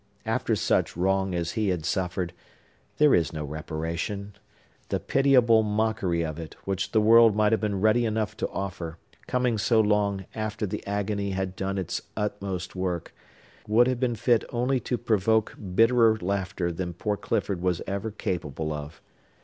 After such wrong as he had suffered, there is no reparation. The pitiable mockery of it, which the world might have been ready enough to offer, coming so long after the agony had done its utmost work, would have been fit only to provoke bitterer laughter than poor Clifford was ever capable of.